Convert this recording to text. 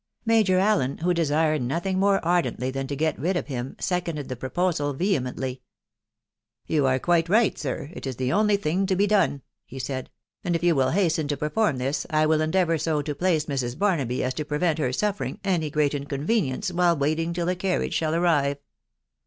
Major Allen, who desired nothing more ardently than to get rid of him, seconded the proposal vehemently. 4i You are quite right, sir ; it is the only thing to be done," he said ;" and if you will hasten to perform this, I will en deavour so to place Mrs. Barnaby as to prevent her suffering any great inconvenience while waiting till the carriage shall arrive."